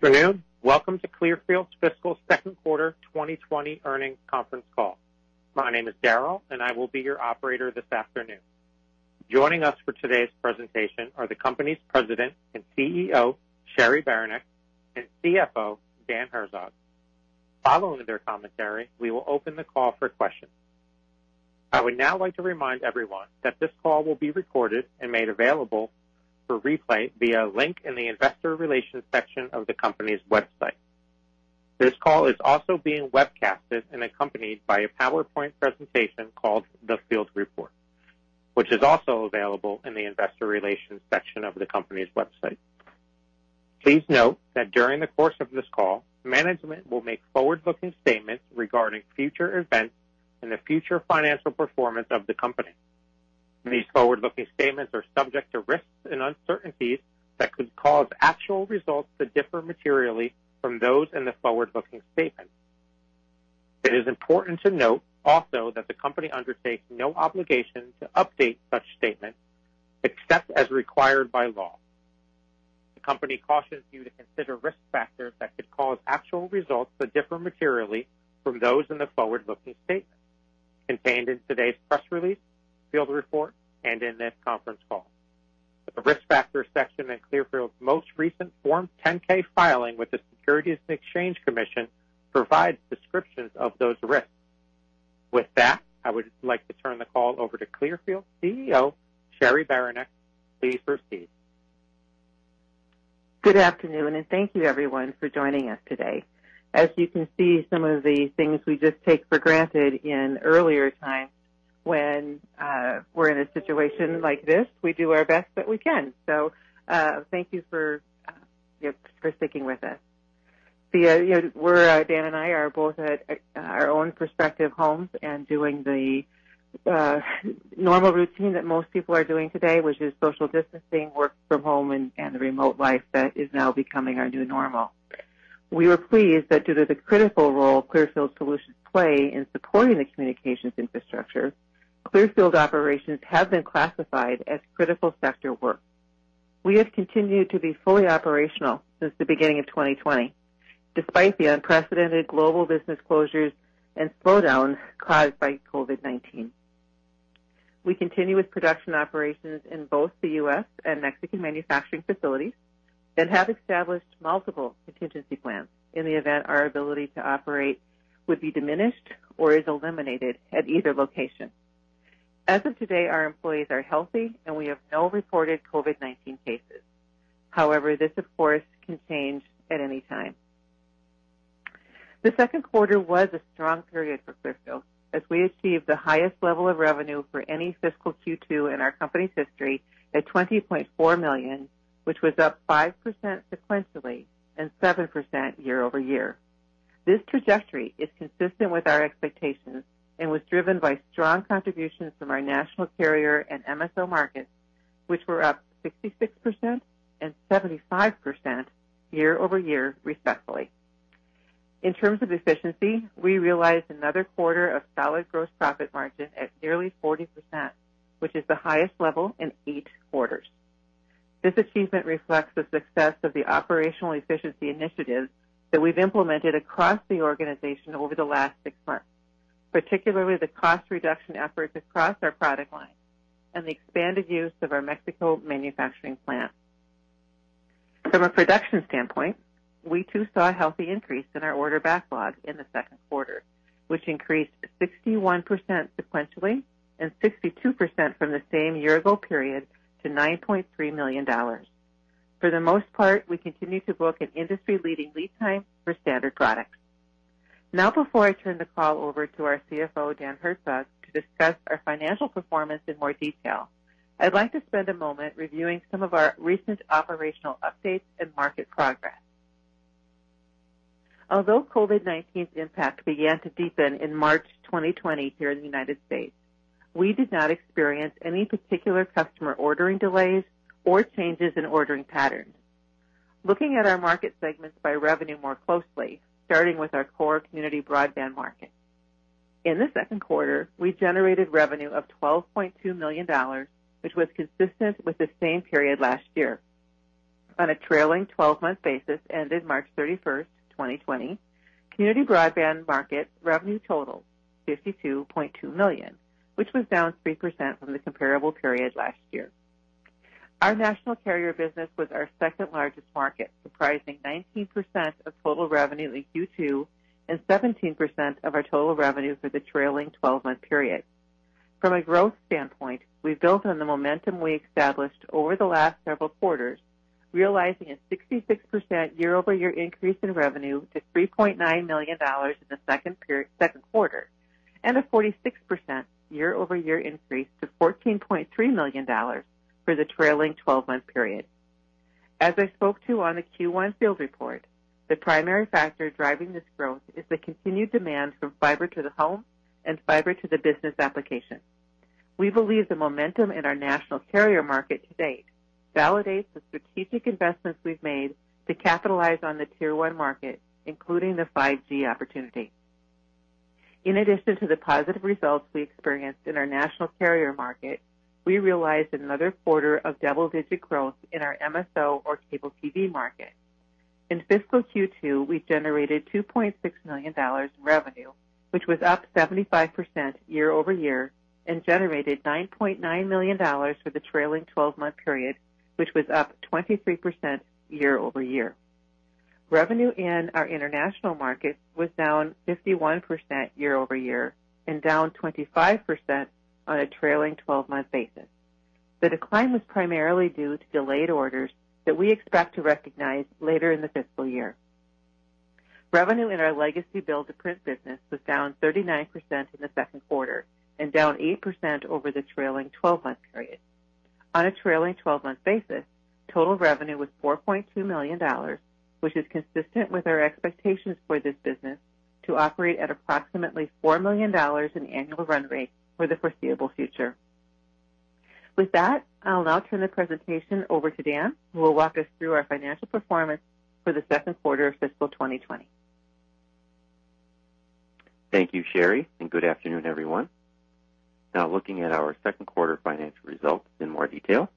Good afternoon. Welcome to Clearfield's fiscal second quarter 2020 earnings conference call. My name is Daryl, and I will be your operator this afternoon. Joining us for today's presentation are the company's President and CEO, Cheri Beranek, and CFO, Daniel Herzog. Following their commentary, we will open the call for questions. I would now like to remind everyone that this call will be recorded and made available for replay via a link in the investor relations section of the company's website. This call is also being webcasted and accompanied by a PowerPoint presentation called FieldReport, which is also available in the investor relations section of the company's website. Please note that during the course of this call, management will make forward-looking statements regarding future events and the future financial performance of the company. These forward-looking statements are subject to risks and uncertainties that could cause actual results to differ materially from those in the forward-looking statement. It is important to note also that the company undertakes no obligation to update such statements, except as required by law. The company cautions you to consider risk factors that could cause actual results to differ materially from those in the forward-looking statements contained in today's press release, FieldReport, and in this conference call. The risk factor section in Clearfield's most recent Form 10-K filing with the Securities and Exchange Commission provides descriptions of those risks. With that, I would like to turn the call over to Clearfield CEO, Cheri Beranek. Please proceed. Good afternoon, and thank you, everyone, for joining us today. As you can see, some of the things we just take for granted in earlier times when we're in a situation like this, we do our best that we can. So, thank you for sticking with us. Daniel and I are both at our own respective homes and doing the normal routine that most people are doing today, which is social distancing, work from home and the remote life that is now becoming our new normal. We are pleased that due to the critical role Clearfield Solutions play in supporting the communications infrastructure, Clearfield operations have been classified as critical sector work. We have continued to be fully operational since the beginning of 2020, despite the unprecedented global business closures and slowdown caused by COVID-19. We continue with production operations in both the U.S. and Mexican manufacturing facilities and have established multiple contingency plans in the event our ability to operate would be diminished or is eliminated at either location. As of today, our employees are healthy, and we have no reported COVID-19 cases. However, this, of course, can change at any time. The second quarter was a strong period for Clearfield as we achieved the highest level of revenue for any fiscal Q2 in our company's history at $20.4 million, which was up 5% sequentially and 7% year-over-year. This trajectory is consistent with our expectations and was driven by strong contributions from our national carrier and MSO markets, which were up 66% and 75% year-over-year, respectfully. In terms of efficiency, we realized another quarter of solid gross profit margin at nearly 40%, which is the highest level in eight quarters. This achievement reflects the success of the operational efficiency initiatives that we've implemented across the organization over the last 6 months, particularly the cost reduction efforts across our product lines and the expanded use of our Mexico manufacturing plant. From a production standpoint, we too saw a healthy increase in our order backlog in the second quarter, which increased 61% sequentially and 62% from the same year-ago period to $9.3 million. For the most part, we continue to book an industry-leading lead time for standard products. Before I turn the call over to our CFO, Dan Herzog, to discuss our financial performance in more detail, I'd like to spend a moment reviewing some of our recent operational updates and market progress. Although COVID-19's impact began to deepen in March 2020 here in the United States, we did not experience any particular customer ordering delays or changes in ordering patterns. Looking at our market segments by revenue more closely, starting with our core community broadband market. In the second quarter, we generated revenue of $12.2 million, which was consistent with the same period last year. On a trailing 12-month basis ended March 31st, 2020, community broadband market revenue totaled $52.2 million, which was down 3% from the comparable period last year. Our national carrier business was our second largest market, comprising 19% of total revenue in Q2 and 17% of our total revenue for the trailing 12-month period. From a growth standpoint, we've built on the momentum we established over the last several quarters, realizing a 66% year-over-year increase in revenue to $3.9 million in the second quarter and a 46% year-over-year increase to $14.3 million for the trailing 12-month period. As I spoke to on the Q1 FieldReport, the primary factor driving this growth is the continued demand from fiber to the home and fiber to the business application. We believe the momentum in our national carrier market to date validates the strategic investments we've made to capitalize on the Tier 1 market, including the 5G opportunity. In addition to the positive results we experienced in our national carrier market, we realized another quarter of double-digit growth in our MSO or cable TV market. In fiscal Q2, we generated $2.6 million in revenue, which was up 75% year-over-year, and generated $9.9 million for the trailing 12-month period, which was up 23% year-over-year. Revenue in our international markets was down 51% year-over-year and down 25% on a trailing 12-month basis. The decline was primarily due to delayed orders that we expect to recognize later in the fiscal year. Revenue in our legacy build-to-print business was down 39% in the second quarter and down 8% over the trailing 12-month period. On a trailing 12-month basis, total revenue was $4.2 million, which is consistent with our expectations for this business to operate at approximately $4 million in annual run rate for the foreseeable future. With that, I'll now turn the presentation over to Dan, who will walk us through our financial performance for the second quarter of fiscal 2020. Thank you, Cheri, and good afternoon, everyone. Now looking at our second quarter financial results in more detail.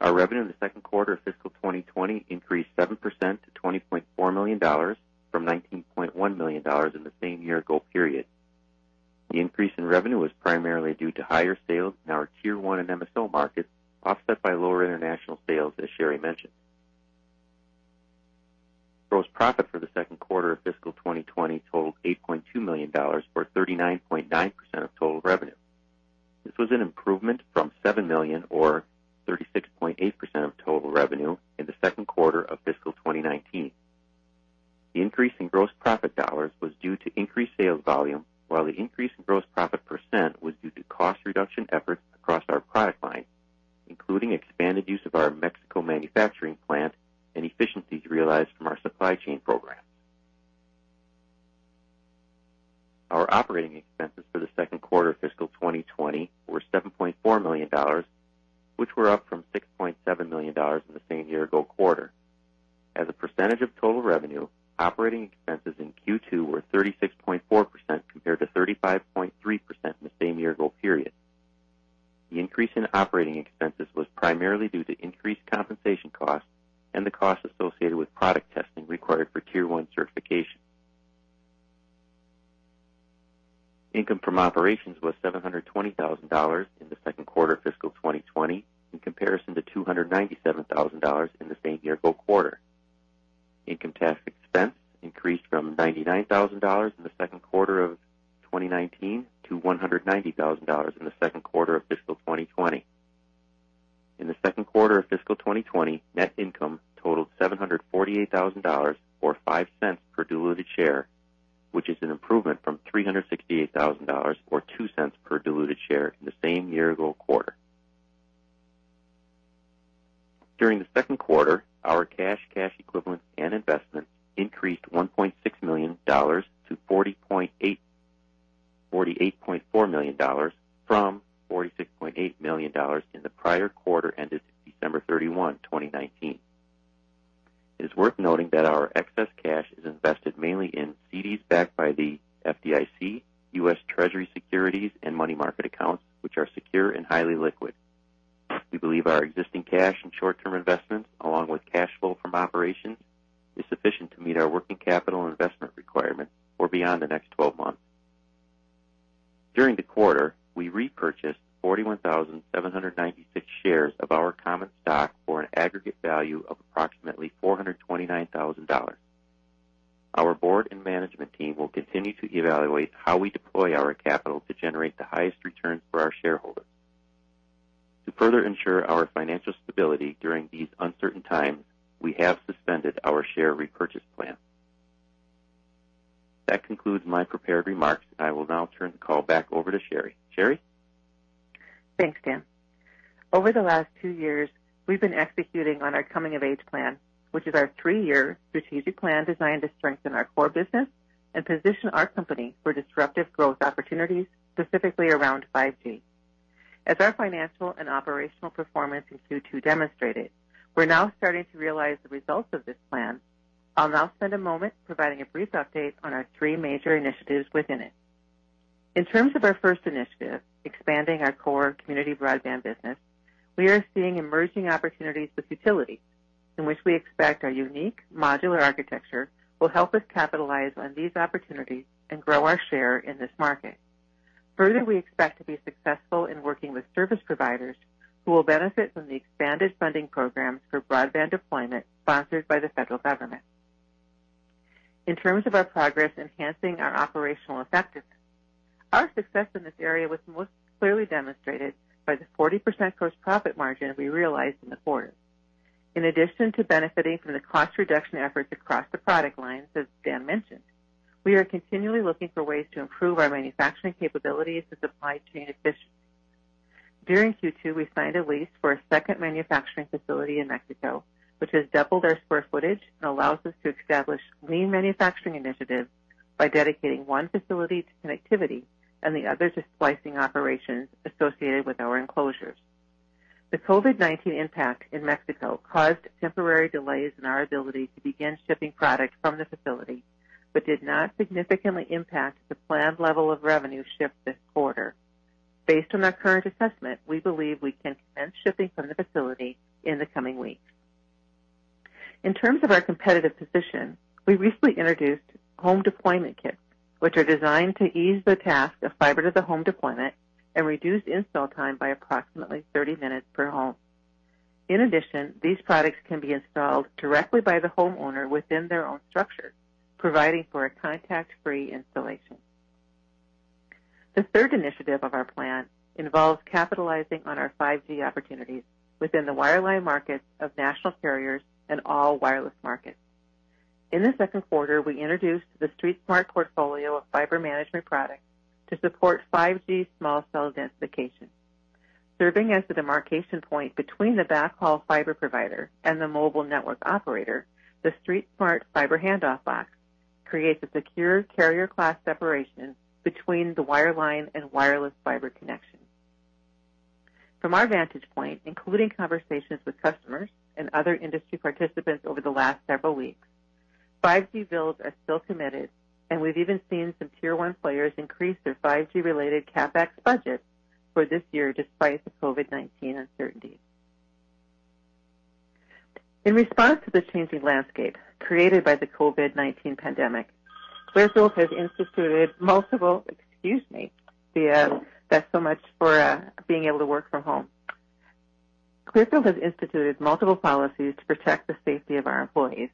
Our revenue in the second quarter of fiscal 2020 increased 7% to $20.4 million from $19.1 million in the same year-ago period. The increase in revenue was primarily due to higher sales in our Tier 1 and MSO markets, offset by lower international sales, as Cheri mentioned. Gross profit for the second quarter of fiscal 2020 totaled $8.2 million, or 39.9% of total revenue. This was an improvement from $7 million or 36.8% of total revenue in the second quarter of fiscal 2019. The increase in gross profit dollars was due to increased sales volume, while the increase in gross profit percent was due to cost reduction efforts across our product lines, including expanded use of our Mexico manufacturing plant and efficiencies realized from our supply chain programs. Our operating expenses for the second quarter of fiscal 2020 were $7.4 million, which were up from $6.7 million in the same year-ago quarter. As a percentage of total revenue, operating expenses in Q2 were 36.4% compared to 35.3% in the same year-ago period. The increase in operating expenses was primarily due to increased compensation costs and the costs associated with product testing required for Tier 1 certification. Income from operations was $720,000 in the second quarter of fiscal 2020, in comparison to $297,000 in the same year-ago quarter. Income tax expense increased from $99,000 in the second quarter of 2019 to $190,000 in the second quarter of fiscal 2020. In the second quarter of fiscal 2020, net income totaled $748,000, or $0.05 per diluted share, which is an improvement from $368,000 or $0.02 per diluted share in the same year-ago quarter. During the second quarter, our cash equivalents, and investments increased $1.6 million to $48.4 million from $46.8 million in the prior quarter ended December 31, 2019. It is worth noting that our excess cash is invested mainly in CDs backed by the FDIC, U.S. Treasury securities, and money market accounts, which are secure and highly liquid. We believe our existing cash and short-term investments, along with cash flow from operations, is sufficient to meet our working capital and investment requirements or beyond the next 12 months. During the quarter, we repurchased 41,796 shares of our common stock for an aggregate value of approximately $429,000. Our board and management team will continue to evaluate how we deploy our capital to generate the highest returns for our shareholders. To further ensure our financial stability during these uncertain times, we have suspended our share repurchase plan. That concludes my prepared remarks. I will now turn the call back over to Cheri. Cheri? Thanks, Dan. Over the last 2 years, we've been executing on our Coming of Age plan, which is our 3-year strategic plan designed to strengthen our core business and position our company for disruptive growth opportunities, specifically around 5G. As our financial and operational performance in Q2 demonstrated, we're now starting to realize the results of this plan. I'll now spend a moment providing a brief update on our 3 major initiatives within it. In terms of our first initiative, expanding our core community broadband business, we are seeing emerging opportunities with utilities, in which we expect our unique modular architecture will help us capitalize on these opportunities and grow our share in this market. Further, we expect to be successful in working with service providers who will benefit from the expanded funding programs for broadband deployment sponsored by the federal government. In terms of our progress enhancing our operational effectiveness, our success in this area was most clearly demonstrated by the 40% gross profit margin we realized in the quarter. In addition to benefiting from the cost reduction efforts across the product lines, as Dan mentioned, we are continually looking for ways to improve our manufacturing capabilities and supply chain efficiency. During Q2, we signed a lease for a second manufacturing facility in Mexico, which has doubled our square footage and allows us to establish lean manufacturing initiatives by dedicating one facility to connectivity and the other to splicing operations associated with our enclosures. The COVID-19 impact in Mexico caused temporary delays in our ability to begin shipping product from the facility, did not significantly impact the planned level of revenue shift this quarter. Based on our current assessment, we believe we can commence shipping from the facility in the coming weeks. In terms of our competitive position, we recently introduced Home Deployment Kits, which are designed to ease the task of fiber-to-the-home deployment and reduce install time by approximately 30 minutes per home. In addition, these products can be installed directly by the homeowner within their own structure, providing for a contact-free installation. The third initiative of our plan involves capitalizing on our 5G opportunities within the wireline markets of national carriers and all wireless markets. In the second quarter, we introduced the StreetSmart portfolio of fiber management products to support 5G small cell densification. Serving as the demarcation point between the backhaul fiber provider and the mobile network operator, the StreetSmart Fiber Hand-Off Box creates a secure carrier class separation between the wireline and wireless fiber connection. From our vantage point, including conversations with customers and other industry participants over the last several weeks, 5G builds are still committed. We've even seen some Tier 1 players increase their 5G-related CapEx budget for this year, despite the COVID-19 uncertainty. In response to the changing landscape created by the COVID-19 pandemic, Clearfield has instituted multiple Excuse me. That's so much for being able to work from home. Clearfield has instituted multiple policies to protect the safety of our employees,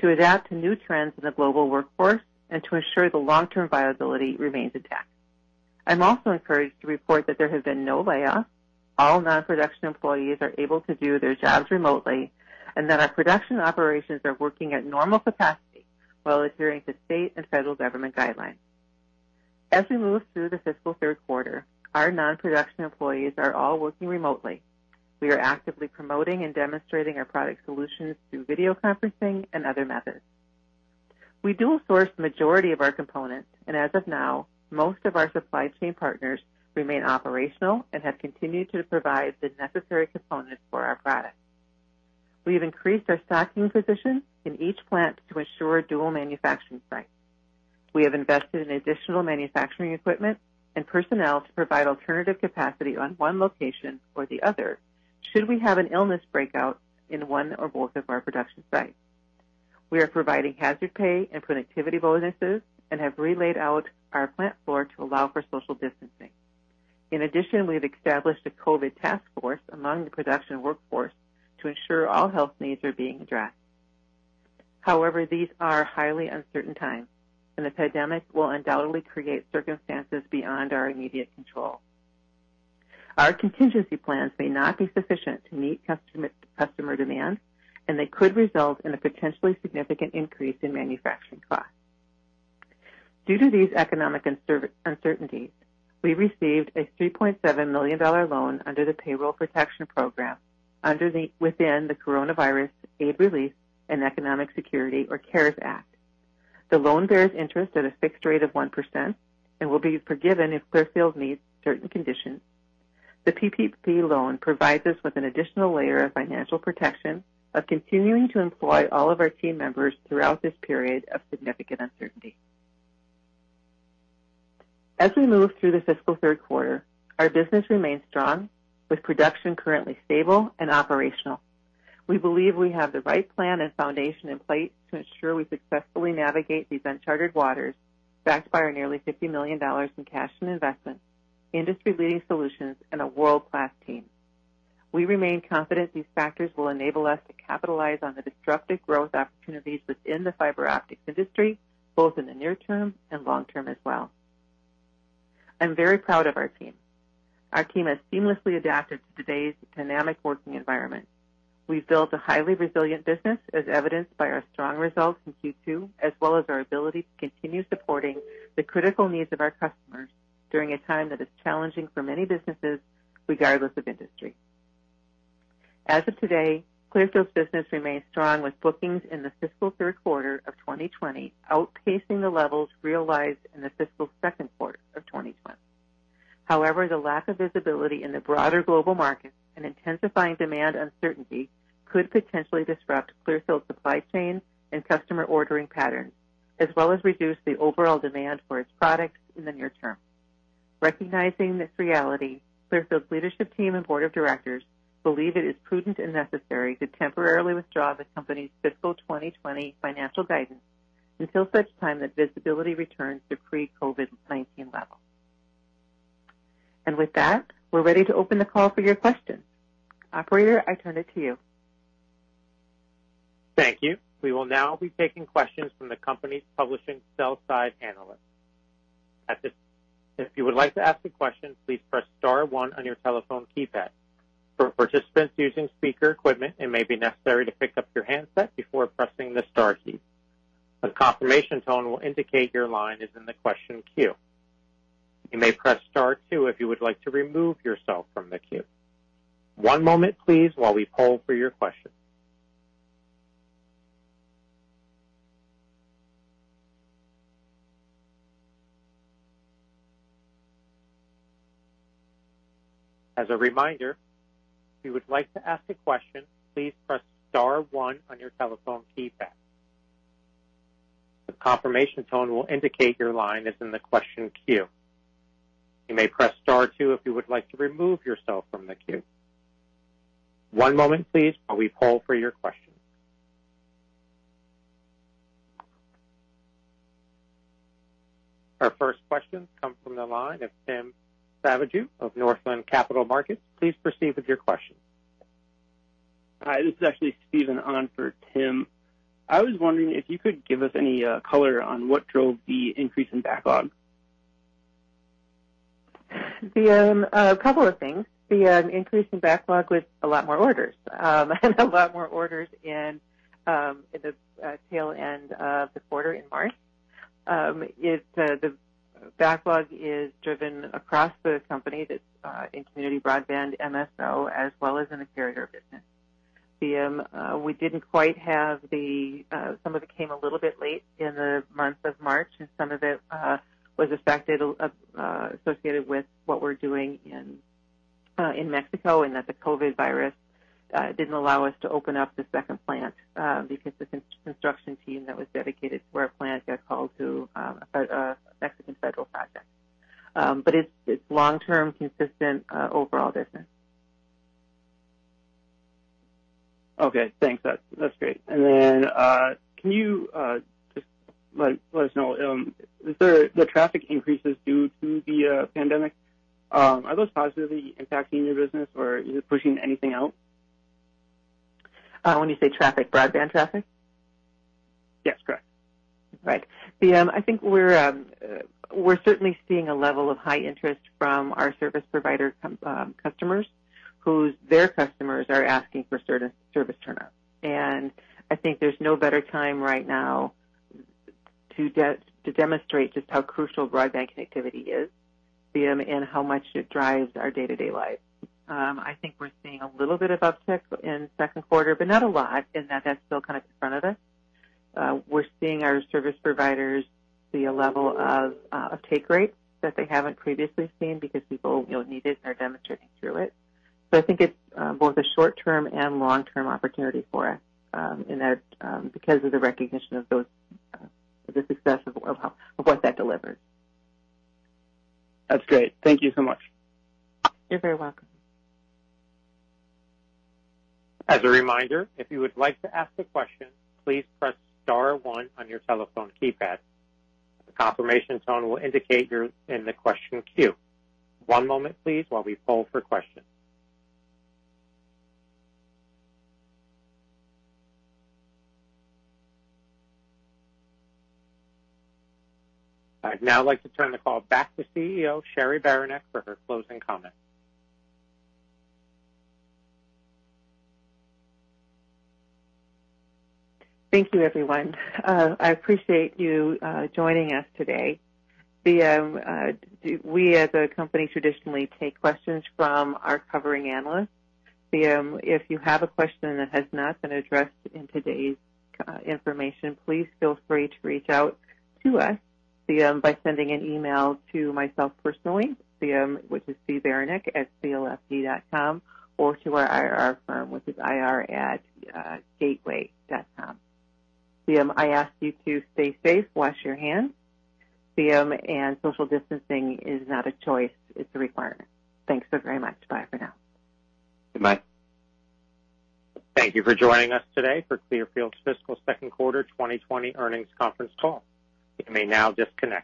to adapt to new trends in the global workforce, and to ensure the long-term viability remains intact. I'm also encouraged to report that there have been no layoffs, all non-production employees are able to do their jobs remotely, and that our production operations are working at normal capacity while adhering to state and federal government guidelines. As we move through the fiscal third quarter, our non-production employees are all working remotely. We are actively promoting and demonstrating our product solutions through video conferencing and other methods. We dual source the majority of our components, and as of now, most of our supply chain partners remain operational and have continued to provide the necessary components for our products. We have increased our stocking position in each plant to ensure dual manufacturing sites. We have invested in additional manufacturing equipment and personnel to provide alternative capacity on one location or the other, should we have an illness breakout in one or both of our production sites. We are providing hazard pay and productivity bonuses and have relaid out our plant floor to allow for social distancing. In addition, we've established a COVID task force among the production workforce to ensure all health needs are being addressed. However, these are highly uncertain times, and the pandemic will undoubtedly create circumstances beyond our immediate control. Our contingency plans may not be sufficient to meet customer demand, and they could result in a potentially significant increase in manufacturing costs. Due to these economic uncertainties, we received a $3.7 million loan under the Paycheck Protection Program within the Coronavirus Aid, Relief, and Economic Security, or CARES Act. The loan bears interest at a fixed rate of 1% and will be forgiven if Clearfield meets certain conditions. The PPP loan provides us with an additional layer of financial protection of continuing to employ all of our team members throughout this period of significant uncertainty. As we move through the fiscal third quarter, our business remains strong, with production currently stable and operational. We believe we have the right plan and foundation in place to ensure we successfully navigate these uncharted waters, backed by our nearly $50 million in cash and investments, industry-leading solutions, and a world-class team. We remain confident these factors will enable us to capitalize on the disruptive growth opportunities within the fiber optic industry, both in the near term and long term as well. I'm very proud of our team. Our team has seamlessly adapted to today's dynamic working environment. We've built a highly resilient business, as evidenced by our strong results in Q2, as well as our ability to continue supporting the critical needs of our customers during a time that is challenging for many businesses, regardless of industry. As of today, Clearfield's business remains strong, with bookings in the fiscal third quarter of 2020 outpacing the levels realized in the fiscal second quarter of 2020. However, the lack of visibility in the broader global markets and intensifying demand uncertainty could potentially disrupt Clearfield's supply chain and customer ordering patterns, as well as reduce the overall demand for its products in the near term. Recognizing this reality, Clearfield's leadership team and board of directors believe it is prudent and necessary to temporarily withdraw the company's fiscal 2020 financial guidance until such time that visibility returns to pre-COVID-19 levels. With that, we're ready to open the call for your questions. Operator, I turn it to you. Thank you. We will now be taking questions from the company's publishing sell-side analysts. If you would like to ask a question, please press star 1 on your telephone keypad. For participants using speaker equipment, it may be necessary to pick up your handset before pressing the star key. A confirmation tone will indicate your line is in the question queue. You may press star 2 if you would like to remove yourself from the queue. One moment, please, while we poll for your questions. As a reminder, if you would like to ask a question, please press star 1 on your telephone keypad. A confirmation tone will indicate your line is in the question queue. You may press star 2 if you would like to remove yourself from the queue. One moment please while we poll for your question. Our first question comes from the line of Timothy Savageaux of Northland Capital Markets. Please proceed with your question. Hi, this is actually Steven on for Tim. I was wondering if you could give us any color on what drove the increase in backlog. A couple of things. The increase in backlog was a lot more orders and a lot more orders in the tail end of the quarter in March. The backlog is driven across the company that's in community broadband MSO as well as in the carrier business. Some of it came a little bit late in the month of March, and some of it was associated with what we're doing in Mexico, and that the COVID virus didn't allow us to open up the second plant because the construction team that was dedicated to our plant got called to a Mexican federal project. It's long-term, consistent, overall business. Okay, thanks. That's great. Can you just let us know, the traffic increases due to the pandemic, are those positively impacting your business, or is it pushing anything out? When you say traffic, broadband traffic? Yes, correct. Right. I think we're certainly seeing a level of high interest from our service provider customers, whose customers are asking for service turn-ups. I think there's no better time right now to demonstrate just how crucial broadband connectivity is and how much it drives our day-to-day lives. I think we're seeing a little bit of uptick in second quarter, but not a lot in that that's still kind of in front of us. We're seeing our service providers see a level of take rate that they haven't previously seen because people need it and are demonstrating through it. I think it's both a short-term and long-term opportunity for us because of the recognition of the success of what that delivers. That's great. Thank you so much. You're very welcome. As a reminder, if you would like to ask a question, please press star one on your telephone keypad. A confirmation tone will indicate you're in the question queue. One moment please while we poll for questions. I'd now like to turn the call back to CEO, Cheri Beranek, for her closing comments. Thank you, everyone. I appreciate you joining us today. We as a company traditionally take questions from our covering analysts. If you have a question that has not been addressed in today's information, please feel free to reach out to us by sending an email to myself personally, which is cberanek@clfd.com, or to our IR firm, which is CLFD@gatewayir.com. I ask you to stay safe, wash your hands, and social distancing is not a choice, it's a requirement. Thanks so very much. Bye for now. Goodbye. Thank you for joining us today for Clearfield's Fiscal Second Quarter 2020 Earnings Conference Call. You may now disconnect.